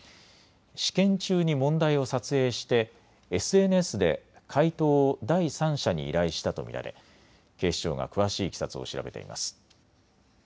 試験中に問題を撮影してＳＮＳで解答を第三者に依頼したと見られ、警視庁が詳しいいきさつを調べています。